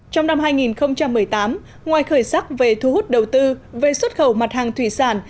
trong năm hai nghìn một mươi tám ngoài khởi sắc về thu hút đầu tư về xuất khẩu mặt hàng thủy sản